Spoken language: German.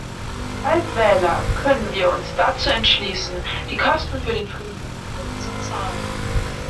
Als Wähler können wir uns dazu entschließen, die Kosten für den Friedensprozess zu zahlen.